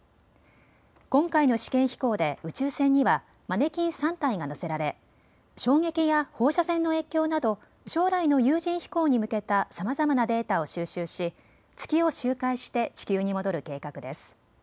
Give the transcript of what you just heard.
今回の試験飛行で宇宙船にはマネキン３体が載せられ衝撃や放射線の影響など将来の有人飛行に向けたさまざまなデータを収集し月を周回して地球に戻る計画です。